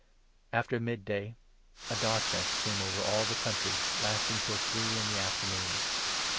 The D«ath After mid day a darkness came over all the 45 of jesus. country, lasting till three in the afternoon.